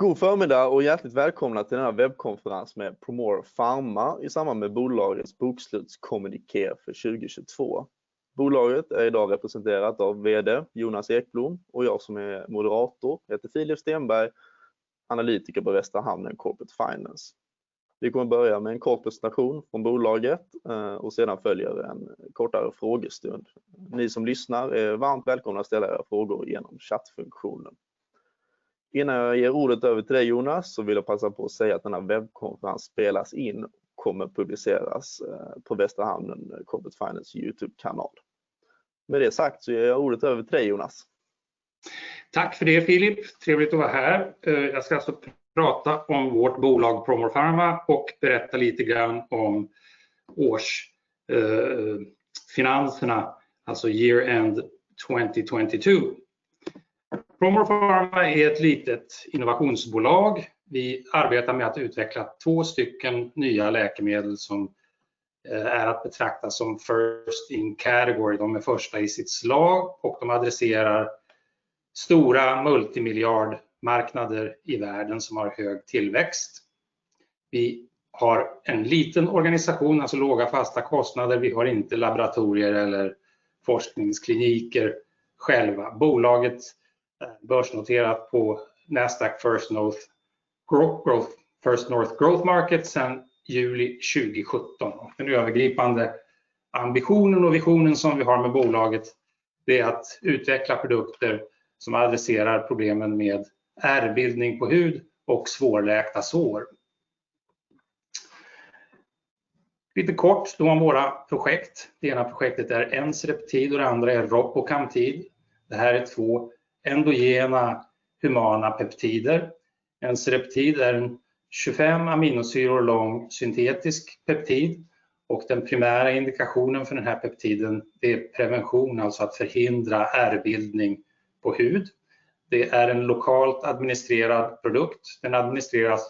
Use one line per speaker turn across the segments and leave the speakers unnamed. God förmiddag och hjärtligt välkomna till denna webbkonferens med Promore Pharma i samband med bolagets bokslutskommuniké för 2022. Bolaget är idag representerat av VD Jonas Ekblom och jag som är moderator heter Filip Stenberg, analyst på Västra Hamnen Corporate Finance. Vi kommer börja med en kort presentation från bolaget och sedan följer en kortare frågestund. Ni som lyssnar är varmt välkomna att ställa era frågor igenom chattfunktionen. Innan jag ger ordet över till dig Jonas så vill jag passa på att säga att denna webbkonferens spelas in och kommer publiceras på Västra Hamnen Corporate Finance YouTube channel. Med det sagt så ger jag ordet över till dig Jonas.
Tack för det Filip. Trevligt att vara här. Jag ska alltså prata om vårt bolag Promore Pharma och berätta lite grann om års finanserna, alltså year end 2022. Promore Pharma är ett litet innovationsbolag. Vi arbetar med att utveckla två stycken nya läkemedel som är att betrakta som first-in-category. De är första i sitt slag och de adresserar stora multimiljardmarknader i världen som har hög tillväxt. Vi har en liten organisation, alltså låga fasta kostnader. Vi har inte laboratorier eller forskningskliniker själva. Bolaget är börsnoterat på Nasdaq First North Growth Market sedan juli 2017. Den övergripande ambitionen och visionen som vi har med bolaget, det är att utveckla produkter som adresserar problemen med ärrbildning på hud och svårläkta sår. Lite kort då om våra projekt. Det ena projektet är Encereptide och det andra är Ropocamptide. Det här är två endogena humana peptider. Encereptide är en 25 aminosyror lång syntetisk peptid och den primära indikationen för den här peptiden är prevention, alltså att förhindra ärrbildning på hud. Det är en lokalt administrerad produkt. Den administreras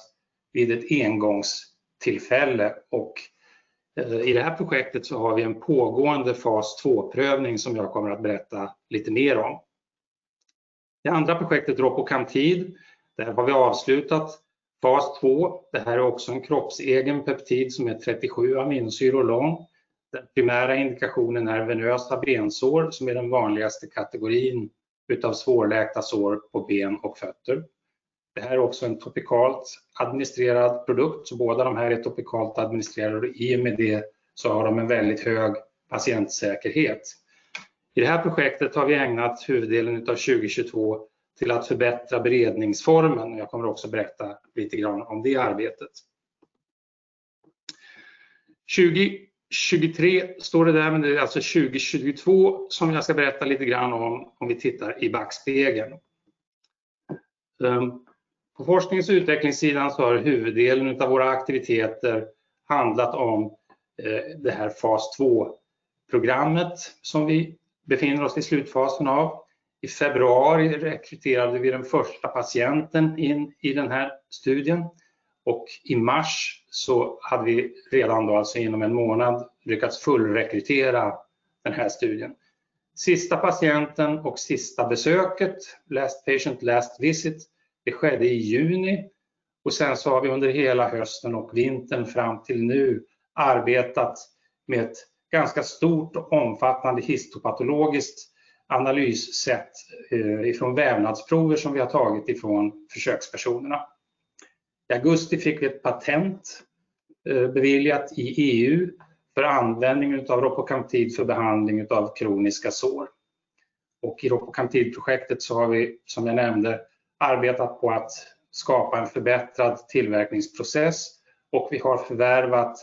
vid ett engångstillfälle och, eller i det här projektet så har vi en pågående phase II-prövning som jag kommer att berätta lite mer om. Det andra projektet Ropocamptide, där har vi avslutat phase II. Det här är också en kroppsegen peptid som är 37 aminosyror lång. Den primära indikationen är venösa bensår, som är den vanligaste kategorin utav svårläkta sår på ben och fötter. Det här är också en topikalt administrerad produkt. Båda de här är topikalt administrerade och i och med det så har de en väldigt hög patientsäkerhet. I det här projektet har vi ägnat huvuddelen utav 2022 till att förbättra beredningsformen. Jag kommer också berätta lite grann om det arbetet. 2023 står det där, men det är alltså 2022 som jag ska berätta lite grann om vi tittar i backspegeln. På forsknings- och utvecklingssidan så har huvuddelen utav våra aktiviteter handlat om, det här fas II-programmet som vi befinner oss i slutfasen av. I februari rekryterade vi den första patienten in i den här studien och i mars så hade vi redan då, alltså inom en månad, lyckats fullrekrytera den här studien. Sista patienten och sista besöket, last patient, last visit, det skedde i juni och sen så har vi under hela hösten och vintern fram till nu arbetat med ett ganska stort och omfattande histopatologiskt analyssätt, ifrån vävnadsprover som vi har tagit ifrån försökspersonerna. I augusti fick vi ett patent, beviljat i EU för användning utav Ropocamptide för behandling utav kroniska sår. I Ropocamptideprojektet så har vi, som jag nämnde, arbetat på att skapa en förbättrad tillverkningsprocess och vi har förvärvat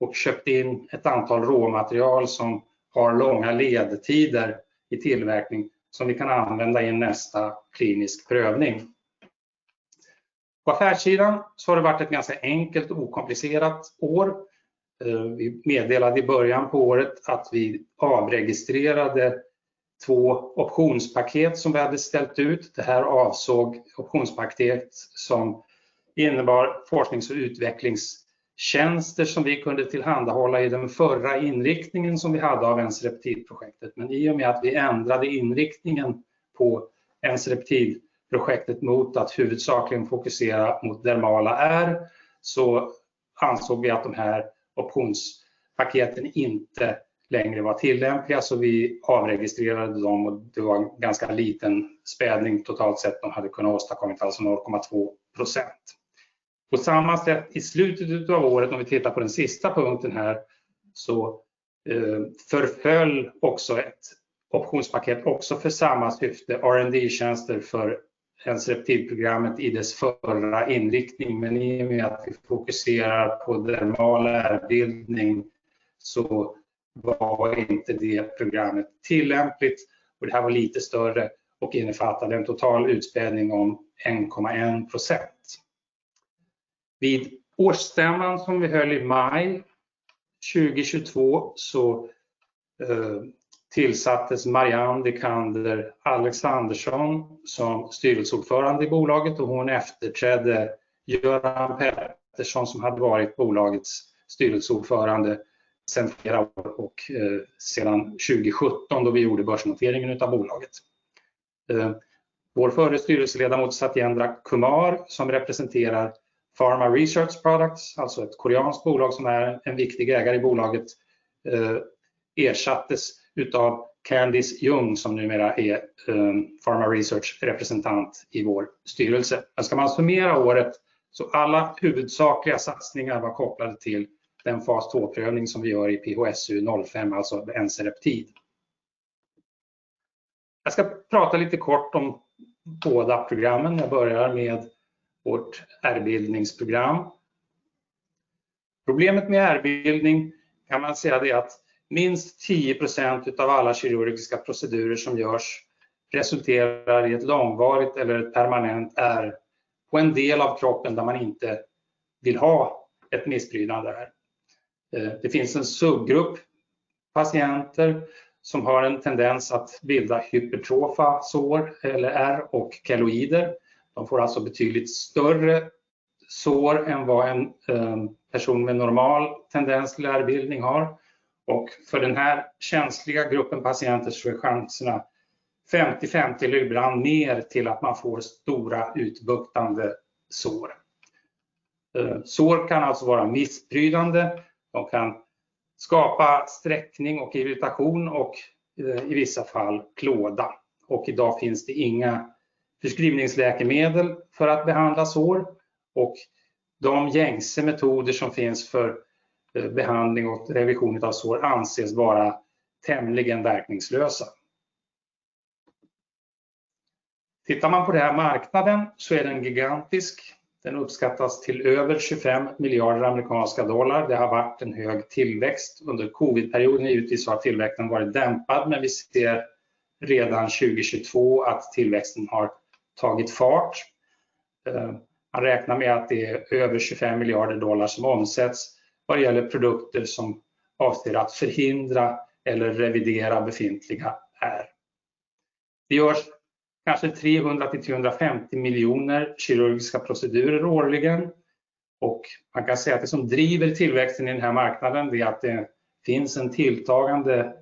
och köpt in ett antal råmaterial som har långa ledtider i tillverkning som vi kan använda i en nästa klinisk prövning. På affärssidan så har det varit ett ganska enkelt och okomplicerat år. Vi meddelade i början på året att vi avregistrerade 2 optionspaket som vi hade ställt ut. Det här avsåg optionspaket som innebar forsknings- och utvecklingstjänster som vi kunde tillhandahålla i den förra inriktningen som vi hade av Encereptideprojektet. I och med att vi ändrade inriktningen på Encereptideprojektet mot att huvudsakligen fokusera mot dermala ärr, så ansåg vi att de här optionspaketen inte längre var tillämpliga, så vi avregistrerade dem och det var en ganska liten spädning totalt sett de hade kunnat åstadkomma, alltså 0.2%. På samma sätt i slutet utav året, om vi tittar på den sista punkten här, så förföll också ett optionspaket också för samma syfte, R&D-tjänster för Encereptide programmet i dess förra inriktning. I och med att vi fokuserar på dermal ärrbildning så var inte det programmet tillämpligt och det här var lite större och innefattade en total utspädning om 1.1%. Vid årsstämman som vi höll i maj 2022 så tillsattes Marianne Dicander Alexandersson som styrelseordförande i bolaget och hon efterträdde Göran Persson som hade varit bolagets styrelseordförande sedan flera år och sedan 2017 då vi gjorde börsnoteringen utav bolaget. Vår förre styrelseledamot Satyendra Kumar, som representerar PharmaResearch Products Ltd., alltså ett koreanskt bolag som är en viktig ägare i bolaget, ersattes utav Candice Jung som numera är PharmaResearch representant i vår styrelse. Ska man summera året så alla huvudsakliga satsningar var kopplade till den phase II-prövning som vi gör i PHSU05, alltså Encereptide. Jag ska prata lite kort om båda programmen. Jag börjar med vårt ärrbildningsprogram. Problemet med ärrbildning kan man säga det är att minst 10% utav alla kirurgiska procedurer som görs resulterar i ett långvarigt eller ett permanent ärr på en del av kroppen där man inte vill ha ett missbildande ärr. Det finns en subgrupp patienter som har en tendens att bilda hypertrofiska sår eller ärr och keloider. De får alltså betydligt större sår än vad en person med normal tendens till ärrbildning har. För den här känsliga gruppen patienter så är chanserna 50-50 eller ibland mer till att man får stora utbuktande sår. Sår kan alltså vara missprydande. De kan skapa sträckning och irritation och i vissa fall klåda. I dag finns det inga förskrivningsläkemedel för att behandla sår och de gängse metoder som finns för behandling och revision utav sår anses vara tämligen verkningslösa. Tittar man på den här marknaden är den gigantisk. Den uppskattas till över $25 billion. Det har varit en hög tillväxt under COVID-perioden. Givetvis har tillväxten varit dämpad, vi ser redan 2022 att tillväxten har tagit fart. Man räknar med att det är över $25 billion som omsätts vad gäller produkter som avser att förhindra eller revidera befintliga ärr. Det görs kanske 300 million-350 million kirurgiska procedurer årligen man kan säga att det som driver tillväxten i den här marknaden, det är att det finns en tilltagande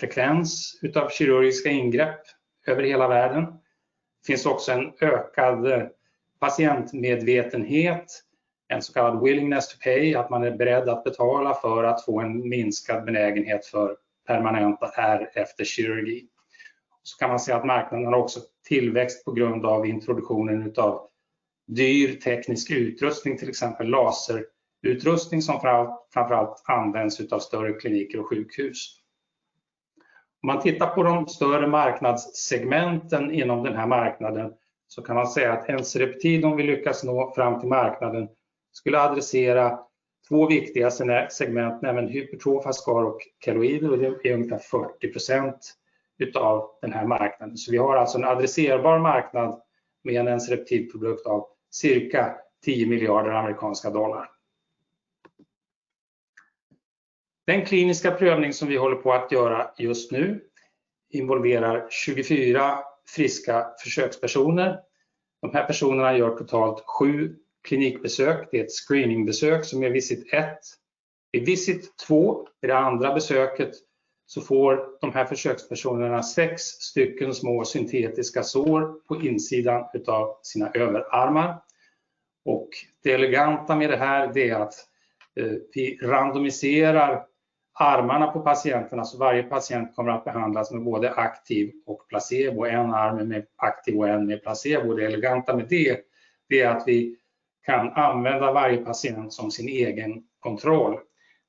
frekvens utav kirurgiska ingrepp över hela världen. Det finns också en ökad patientmedvetenhet, en så kallad willingness to pay, att man är beredd att betala för att få en minskad benägenhet för permanenta ärr efter kirurgi. Kan man se att marknaden har också tillväxt på grund av introduktionen utav dyr teknisk utrustning, till exempel laserutrustning som framför allt används utav större kliniker och sjukhus. Om man tittar på de större marknadssegmenten inom den här marknaden så kan man säga att Encereptide, om vi lyckas nå fram till marknaden, skulle adressera två viktigaste segment, nämligen hypertrofiska ärr och keloider. Det är ungefär 40% utav den här marknaden. Vi har alltså en adresserbar marknad med en Encereptide-produkt av cirka $10 billion. Den kliniska prövning som vi håller på att göra just nu involverar 24 friska försökspersoner. De här personerna gör totalt 7 klinikbesök. Det är 1 screeningbesök som är visit 1. Vid visit 2, vid det andra besöket, så får de här försökspersonerna 6 stycken små syntetiska sår på insidan utav sina överarmar. Det eleganta med det här är att vi randomiserar armarna på patienterna. Varje patient kommer att behandlas med både aktiv och placebo. En arm med aktiv och en med placebo. Det eleganta med det är att vi kan använda varje patient som sin egen kontroll.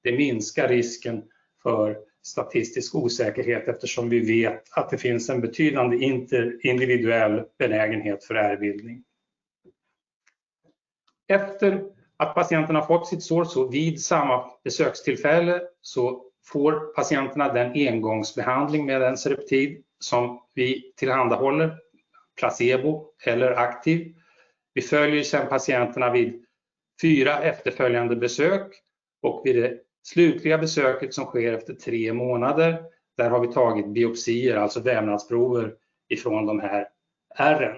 Det minskar risken för statistisk osäkerhet eftersom vi vet att det finns en betydande interindividuell benägenhet för ärrbildning. Efter att patienten har fått sitt sår så vid samma besökstillfälle så får patienterna den engångsbehandling med Encereptide som vi tillhandahåller, placebo eller aktiv. Vi följer sen patienterna vid 4 efterföljande besök och vid det slutliga besöket som sker efter 3 månader, där har vi tagit biopsier, alltså vävnadsprover, ifrån de här ärren.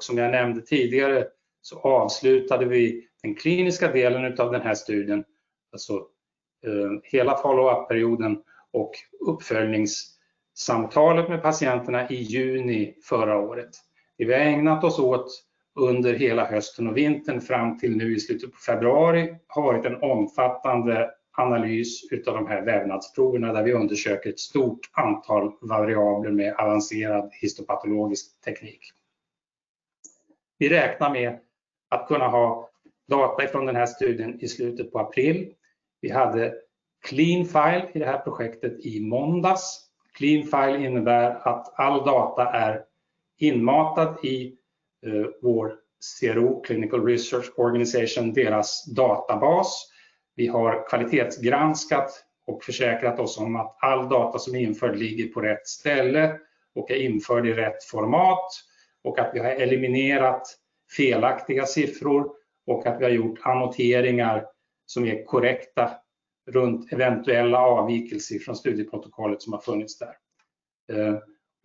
Som jag nämnde tidigare så avslutade vi den kliniska delen utav den här studien, alltså, hela follow up-perioden och uppföljningssamtalet med patienterna i June last year. Det vi har ägnat oss åt under hela hösten och vintern fram till nu i slutet på February har varit en omfattande analys utav de här vävnadsproverna där vi undersöker ett stort antal variabler med avancerad histopatologisk teknik. Vi räknar med att kunna ha data ifrån den här studien i slutet på April. Vi hade clean file i det här projektet i Monday. Clean file innebär att all data är inmatad i vår CRO, Clinical Research Organization, deras databas. Vi har kvalitetsgranskat och försäkrat oss om att all data som är införd ligger på rätt ställe och är införd i rätt format och att vi har eliminerat felaktiga siffror och att vi har gjort annoteringar som är korrekta runt eventuella avvikelser från studieprotokollet som har funnits där.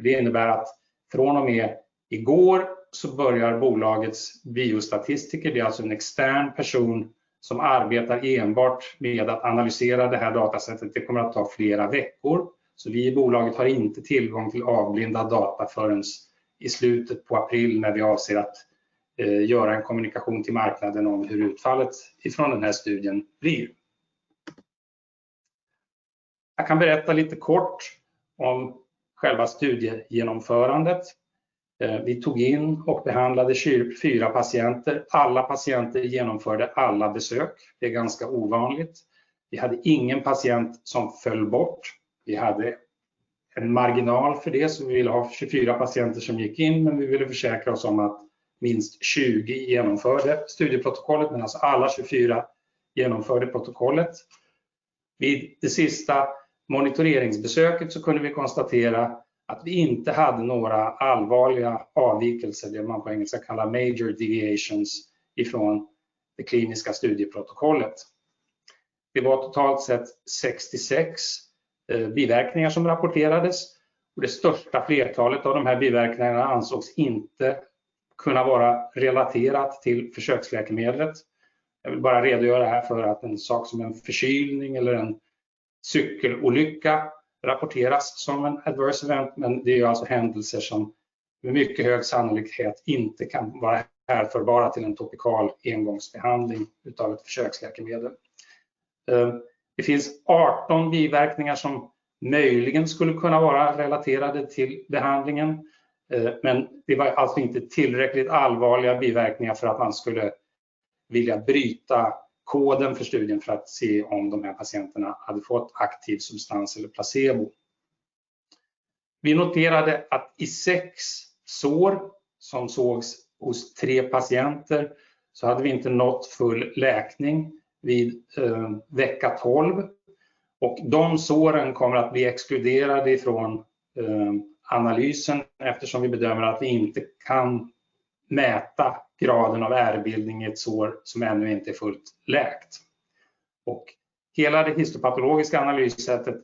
Det innebär att från och med i går så börjar bolagets biostatistiker, det är alltså en extern person som arbetar enbart med att analysera det här datasättet. Det kommer att ta flera veckor. Vi i bolaget har inte tillgång till avblindad data förrän i slutet på april när vi avser att göra en kommunikation till marknaden om hur utfallet ifrån den här studien blir. Jag kan berätta lite kort om själva studiegenomförandet. Vi tog in och behandlade 24 patienter. Alla patienter genomförde alla besök. Det är ganska ovanligt. Vi hade ingen patient som föll bort. Vi hade en marginal för det, vi ville ha 24 patienter som gick in, vi ville försäkra oss om att minst 20 genomförde studieprotokollet, alltså alla 24 genomförde protokollet. Vid det sista monitoreringsbesöket kunde vi konstatera att vi inte hade några allvarliga avvikelser, det man på engelska kallar major deviations, ifrån det kliniska studieprotokollet. Det var totalt sett 66 biverkningar som rapporterades det största flertalet av de här biverkningarna ansågs inte kunna vara relaterat till försöksläkemedlet. Jag vill bara redogöra här för att en sak som en förkylning eller en cykelolycka rapporteras som en adverse event, det är alltså händelser som med mycket hög sannolikhet inte kan vara härförbara till en topikal engångsbehandling utav ett försöksläkemedel. Det finns 18 biverkningar som möjligen skulle kunna vara relaterade till behandlingen, det var alltså inte tillräckligt allvarliga biverkningar för att man skulle vilja bryta koden för studien för att se om de här patienterna hade fått aktiv substans eller placebo. Vi noterade att i 6 sår som sågs hos 3 patienter så hade vi inte nått full läkning vid vecka 12. De såren kommer att bli exkluderade ifrån analysen eftersom vi bedömer att vi inte kan mäta graden av ärrbildning i ett sår som ännu inte är fullt läkt. Hela det histopatologiska analyssättet,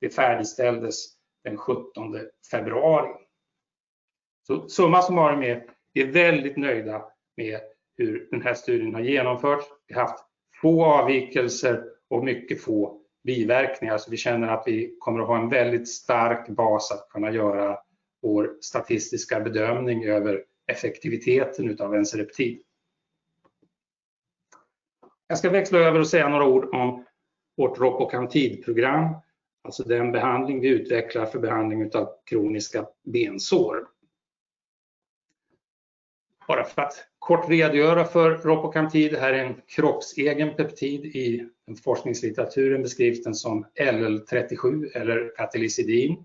det färdigställdes den 17th February. Summa summarum är vi väldigt nöjda med hur den här studien har genomförts. Vi har haft få avvikelser och mycket få biverkningar. Vi känner att vi kommer att ha en väldigt stark bas att kunna göra vår statistiska bedömning över effektiviteten utav Encereptide. Jag ska växla över och säga några ord om vårt Ropocamptide program, alltså den behandling vi utvecklar för behandling utav kroniska bensår. Bara för att kort redogöra för Ropocamptide. Det här är en kroppsegen peptid. I forskningslitteraturen beskrivs den som LL37 eller cathelicidin.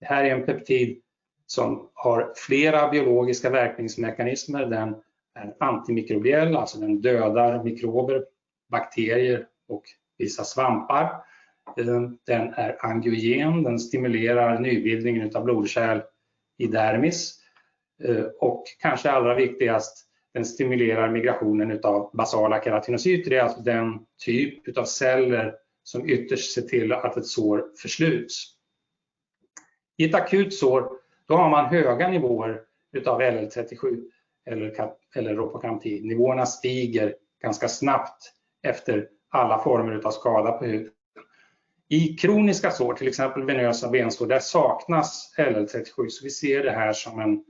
Det här är en peptid som har flera biologiska verkningsmekanismer. Den är antimikrobiell, alltså den dödar mikrober, bakterier och vissa svampar. Den är angiogen, den stimulerar nybildningen utav blodkärl i dermis. Och kanske allra viktigast, den stimulerar migrationen utav basala keratinocyter. Det är alltså den typ utav celler som ytterst ser till att ett sår försluts. I ett akut sår, då har man höga nivåer utav LL37 eller Ropocamptide. Nivåerna stiger ganska snabbt efter alla former utav skada på huden. I kroniska sår, till exempel venösa bensår, där saknas LL37. Vi ser det här som en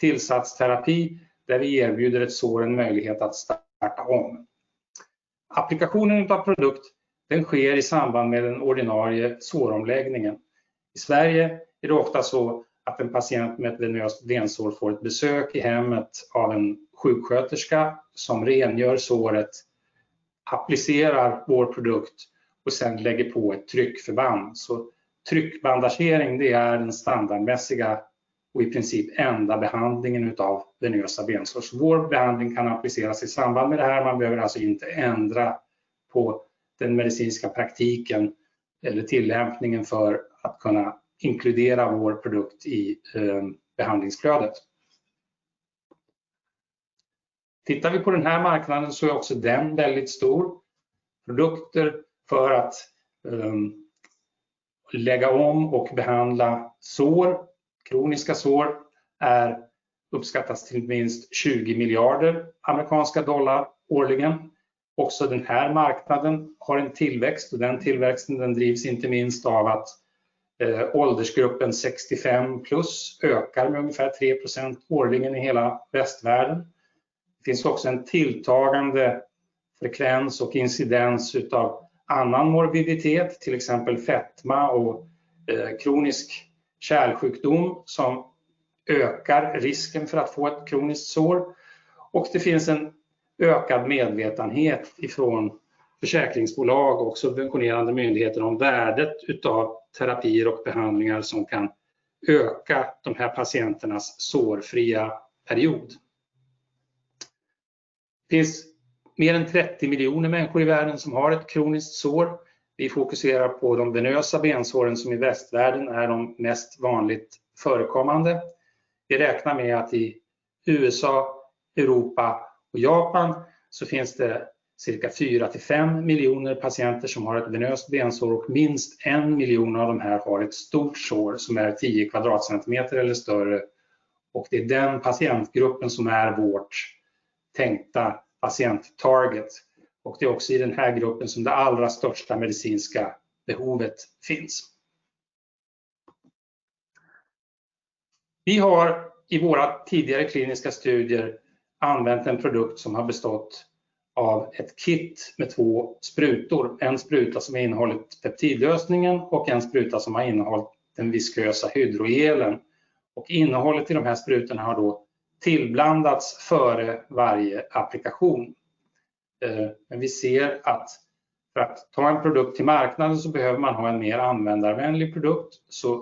tillsatsterapi där vi erbjuder ett sår en möjlighet att starta om. Applikationen utav produkt, den sker i samband med den ordinarie såromläggningen. I Sverige är det ofta så att en patient med ett venöst bensår får ett besök i hemmet av en sjuksköterska som rengör såret, applicerar vår produkt och sedan lägger på ett tryckförband. Tryckbandagering, det är den standardmässiga och i princip enda behandlingen utav venösa bensår. Vår behandling kan appliceras i samband med det här. Man behöver alltså inte ändra på den medicinska praktiken eller tillämpningen för att kunna inkludera vår produkt i behandlingsflödet. Tittar vi på den här marknaden så är också den väldigt stor. Produkter för att lägga om och behandla sår, kroniska sår, är uppskattas till minst $20 billion årligen. Också den här marknaden har en tillväxt och den tillväxten den drivs inte minst av att åldersgruppen 65 plus ökar med ungefär 3% årligen i hela västvärlden. Det finns också en tilltagande frekvens och incidens utav annan morbiditet, till exempel fetma och kronisk kärlsjukdom som ökar risken för att få ett kroniskt sår. Det finns en ökad medvetenhet ifrån försäkringsbolag och subventionerande myndigheter om värdet utav terapier och behandlingar som kan öka de här patienternas sårfria period. Det finns mer än 30 miljoner människor i världen som har ett kroniskt sår. Vi fokuserar på de venösa bensåren som i västvärlden är de mest vanligt förekommande. Vi räknar med att i USA, Europa och Japan så finns det cirka 4-5 miljoner patienter som har ett venöst bensår och minst 1 miljon av de här har ett stort sår som är 10 kvadratcentimeter eller större. Det är den patientgruppen som är vårt tänkta patient target. Det är också i den här gruppen som det allra största medicinska behovet finns. Vi har i våra tidigare kliniska studier använt en produkt som har bestått av ett kit med 2 sprutor. En spruta som innehållit peptidlösningen och en spruta som har innehållit den viskösa hydrogelen. Innehållet i de här sprutorna har då tillblandats före varje applikation. Vi ser att för att ta en produkt till marknaden så behöver man ha en mer användarvänlig produkt.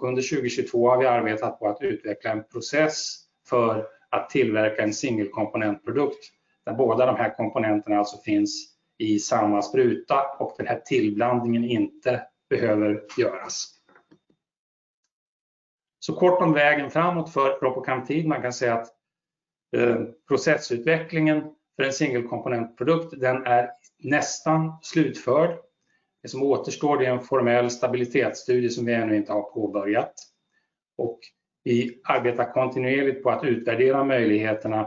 Under 2022 har vi arbetat på att utveckla en process för att tillverka en singelkomponentprodukt. Där båda de här komponenterna alltså finns i samma spruta och den här tillblandningen inte behöver göras. Kort om vägen framåt för Ropocamptide. Man kan säga att processutvecklingen för en singelkomponentprodukt, den är nästan slutförd. Det som återstår, det är en formell stabilitetsstudie som vi ännu inte har påbörjat. Vi arbetar kontinuerligt på att utvärdera möjligheterna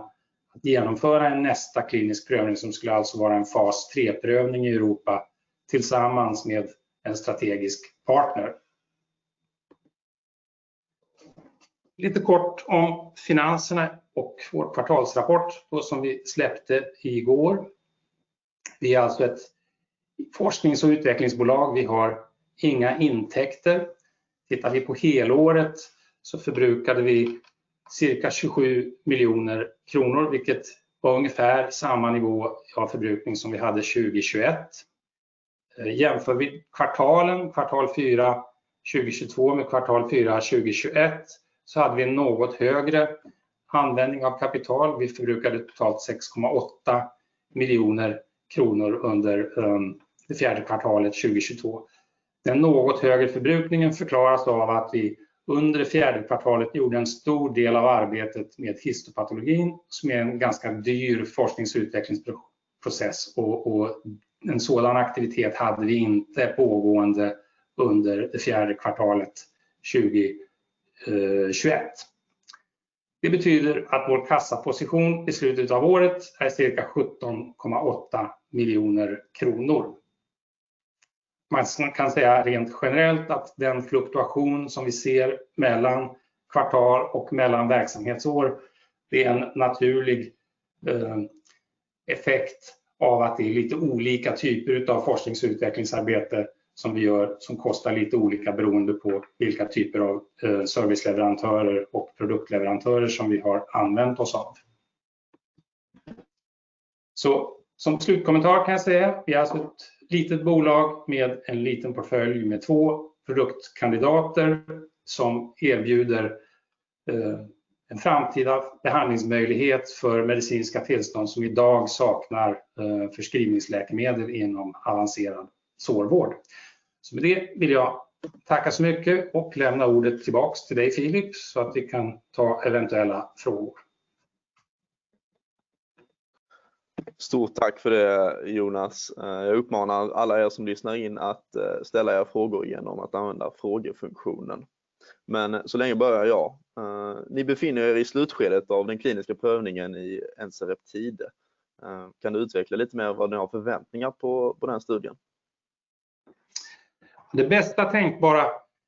att genomföra en nästa klinisk prövning som skulle alltså vara en fas III prövning i Europa tillsammans med en strategisk partner. Lite kort om finanserna och vår kvartalsrapport då som vi släppte i går. Vi är alltså ett forsknings- och utvecklingsbolag. Vi har inga intäkter. Tittar vi på helåret förbrukade vi cirka 27 million kronor, vilket var ungefär samma nivå av förbrukning som vi hade 2021. Jämför vi kvartalen, kvartal fyra 2022 med kvartal fyra 2021, hade vi en något högre användning av kapital. Vi förbrukade totalt 6.8 million kronor under det fjärde kvartalet 2022. Den något högre förbrukningen förklaras av att vi under det fjärde kvartalet gjorde en stor del av arbetet med histopatologin, som är en ganska dyr forsknings- och utvecklingsprocess och en sådan aktivitet hade vi inte pågående under det fjärde kvartalet 2021. Det betyder att vår kassaposition i slutet av året är cirka 17.8 miljoner SEK. Man kan säga rent generellt att den fluktuation som vi ser mellan kvartal och mellan verksamhetsår, det är en naturlig effekt av att det är lite olika typer utav forsknings- och utvecklingsarbete som vi gör som kostar lite olika beroende på vilka typer av serviceleverantörer och produktleverantörer som vi har använt oss av. Som slutkommentar kan jag säga, vi är alltså ett litet bolag med en liten portfölj med 2 produktkandidater som erbjuder en framtida behandlingsmöjlighet för medicinska tillstånd som i dag saknar förskrivningsläkemedel inom avancerad sårvård. Med det vill jag tacka så mycket och lämna ordet tillbaks till dig, Filip, så att vi kan ta eventuella frågor.
Stort tack för det, Jonas. Jag uppmanar alla er som lyssnar in att ställa era frågor igenom att använda frågefunktionen. Så länge börjar jag. Ni befinner er i slutskedet av den kliniska prövningen i Encereptide. Kan du utveckla lite mer vad ni har för förväntningar på den studien?
Det bästa tänkbara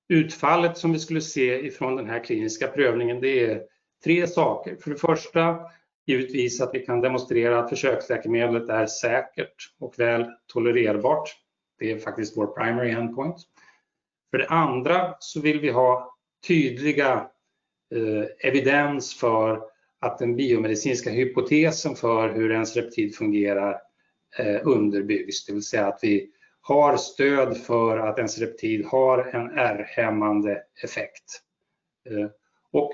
utfallet som vi skulle se ifrån den här kliniska prövningen, det är 3 saker. För det första, givetvis att vi kan demonstrera att försöksläkemedlet är säkert och väl tolererbart. Det är faktiskt vår primary endpoint. För det andra så vill vi ha tydliga evidens för att den biomedicinska hypotesen för hur Encereptide fungerar underbyggs. Det vill säga att vi har stöd för att Encereptide har en ärrhämmande effekt.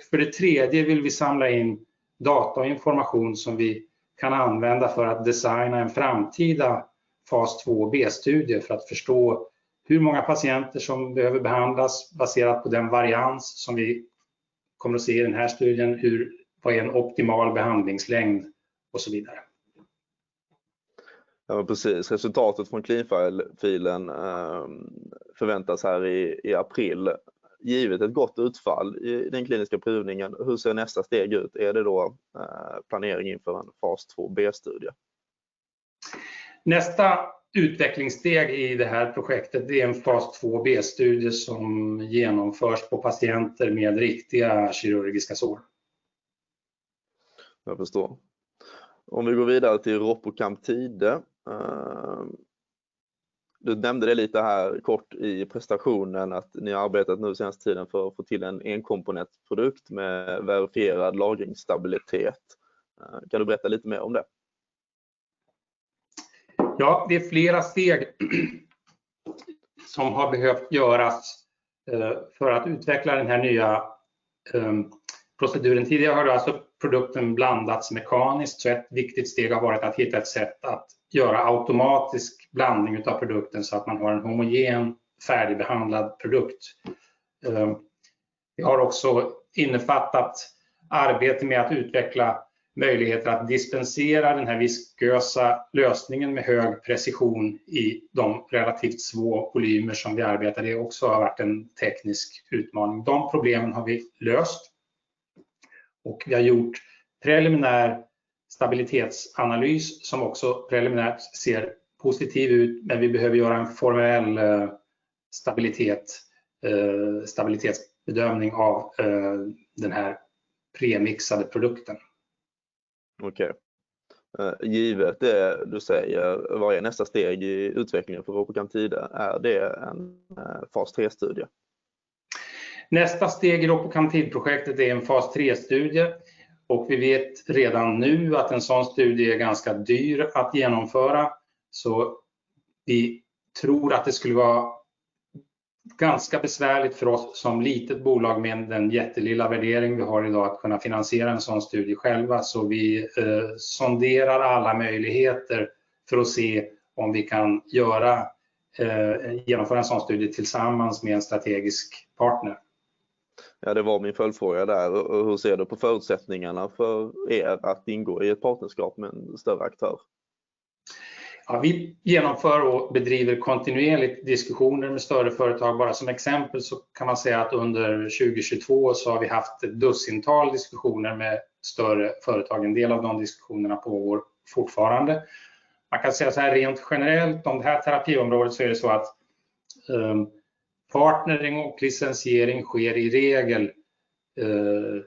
För det tredje vill vi samla in data och information som vi kan använda för att designa en framtida fas IIb-studie för att förstå hur många patienter som behöver behandlas baserat på den varians som vi kommer att se i den här studien, vad är en optimal behandlingslängd och så vidare.
Precis. Resultatet från cleanfile-filen förväntas här i april. Givet ett gott utfall i den kliniska prövningen, hur ser nästa steg ut? Är det då planering inför en fas II B-studie?
Nästa utvecklingssteg i det här projektet, det är en fas IIb-studie som genomförs på patienter med riktiga kirurgiska sår.
Jag förstår. Vi går vidare till Ropocamptide. Du nämnde det lite här kort i presentationen att ni har arbetat nu senaste tiden för att få till en enkomponentprodukt med verifierad lagringsstabilitet. Kan du berätta lite mer om det?
Det är flera steg som har behövt göras för att utveckla den här nya proceduren. Tidigare har alltså produkten blandats mekaniskt. Ett viktigt steg har varit att hitta ett sätt att göra automatisk blandning utav produkten så att man har en homogen färdigbehandlad produkt. Det har också innefattat arbete med att utveckla möjligheter att dispensera den här viskösa lösningen med hög precision i de relativt små volymer som vi arbetar. Det har också varit en teknisk utmaning. De problemen har vi löst och vi har gjort preliminär stabilitetsanalys som också preliminärt ser positiv ut. Vi behöver göra en formell stabilitetsbedömning av den här premixade produkten.
Okej. Givet det du säger, vad är nästa steg i utvecklingen för Ropocamptide? Är det en fas III-studie?
Nästa steg i Ropocamptide-projektet är en fas III-studie och vi vet redan nu att en sådan studie är ganska dyr att genomföra. Vi tror att det skulle vara ganska besvärligt för oss som litet bolag med den jättelilla värdering vi har i dag att kunna finansiera en sådan studie själva. Vi sonderar alla möjligheter för att se om vi kan göra, genomföra en sådan studie tillsammans med en strategisk partner.
Det var min följdfråga där. Hur ser du på förutsättningarna för er att ingå i ett partnerskap med en större aktör?
Vi genomför och bedriver kontinuerligt diskussioner med större företag. Bara som exempel kan man säga att under 2022 har vi haft dussintal diskussioner med större företag. En del av de diskussionerna pågår fortfarande. Man kan säga såhär rent generellt om det här terapiområdet är det så att partnering och licensiering sker i regel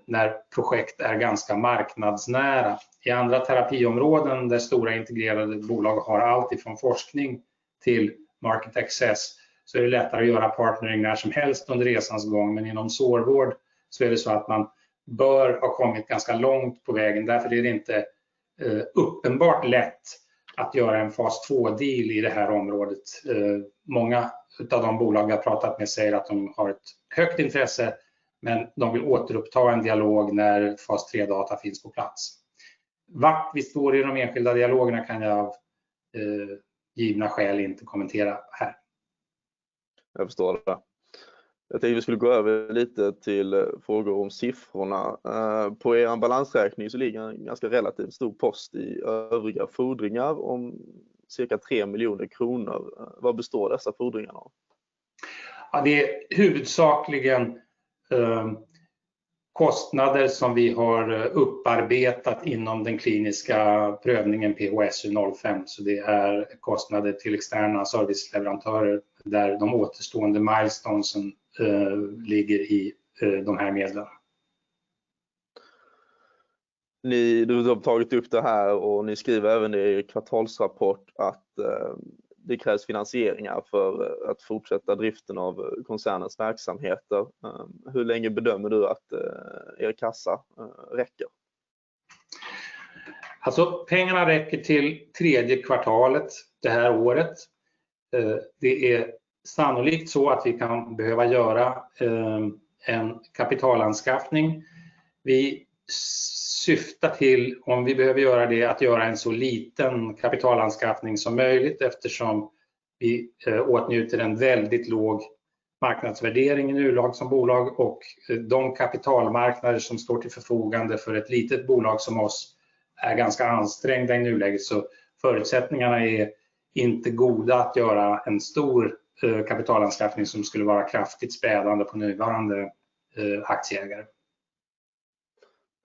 när projekt är ganska marknadsnära. I andra terapiområden där stora integrerade bolag har alltifrån forskning till market access, är det lättare att göra partnering när som helst under resans gång. Inom sårvård är det så att man bör ha kommit ganska långt på vägen. Därför är det inte uppenbart lätt att göra en phase II-deal i det här området. Många utav de bolag jag pratat med säger att de har ett högt intresse, men de vill återuppta en dialog när phase III-data finns på plats. Vart vi står i de enskilda dialogerna kan jag av givna skäl inte kommentera här.
Jag förstår det. Jag tänkte vi skulle gå över lite till frågor om siffrorna. På er balansräkning ligger en ganska relativt stor post i övriga fordringar om cirka 3 miljoner kronor. Vad består dessa fordringar av?
Det är huvudsakligen kostnader som vi har upparbetat inom den kliniska prövningen PHSU05. Det är kostnader till externa serviceleverantörer där de återstående milestonesen ligger i de här medlen.
Ni, du har tagit upp det här och ni skriver även i er kvartalsrapport att det krävs finansieringar för att fortsätta driften av koncernens verksamheter. Hur länge bedömer du att er kassa räcker?
Alltså pengarna räcker till third quarter det här året. Det är sannolikt så att vi kan behöva göra en kapitalanskaffning. Vi syftar till, om vi behöver göra det, att göra en så liten kapitalanskaffning som möjligt eftersom vi åtnjuter en väldigt låg marknadsvärdering i nuläget som bolag och de kapitalmarknader som står till förfogande för ett litet bolag som oss är ganska ansträngda i nuläget. Förutsättningarna är inte goda att göra en stor kapitalanskaffning som skulle vara kraftigt spädande på nuvarande aktieägare.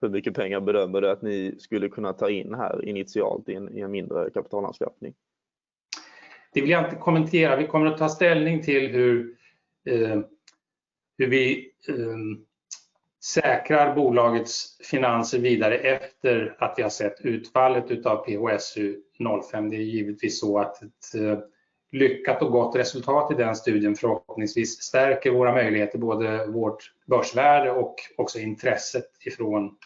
Hur mycket pengar bedömer du att ni skulle kunna ta in här initialt i en mindre kapitalanskaffning?
Det vill jag inte kommentera. Vi kommer att ta ställning till hur hur vi säkrar bolagets finanser vidare efter att vi har sett utfallet utav PHSU05. Det är givetvis så att ett lyckat och gott resultat i den studien förhoppningsvis stärker våra möjligheter, både vårt börsvärde och också intresset ifrån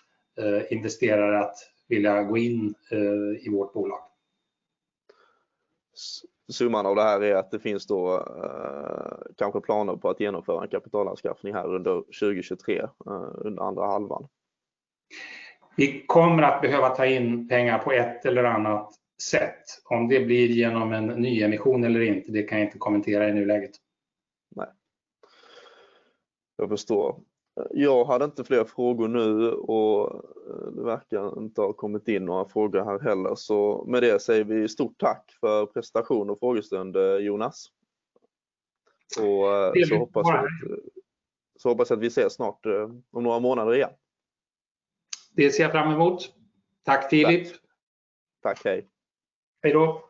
investerare att vilja gå in i vårt bolag.
Summan av det här är att det finns då kanske planer på att genomföra en kapitalanskaffning här under 2023, under andra halvan.
Vi kommer att behöva ta in pengar på ett eller annat sätt. Om det blir genom en nyemission eller inte, det kan jag inte kommentera i nuläget.
Nej. Jag förstår. Jag hade inte fler frågor nu och det verkar inte ha kommit in några frågor här heller. Med det säger vi stort tack för presentation och frågestund, Jonas.
Trevligt att vara här.
Hoppas jag att vi ses snart, om några månader igen.
Det ser jag fram emot. Tack Filip!
Tack, hej.
Hej då!